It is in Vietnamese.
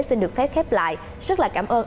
xin được phép khép lại rất là cảm ơn